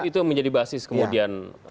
itu menjadi basis kemudian